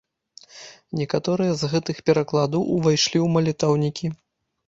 Некаторыя з гэтых перакладаў увайшлі ў малітоўнікі.